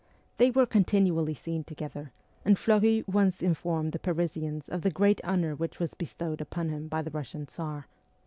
They were continually seen together, and Fleury once informed the Parisians of the great honour which was bestowed upon him by the Russian Tsar.